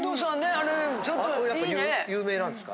あれもやっぱ有名なんですか？